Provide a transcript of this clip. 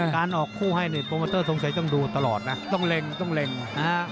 การออกคู่ให้นี่โปรโมเตอร์ทรงชัยต้องดูตลอดนะต้องเล็งต้องเล็งนะฮะ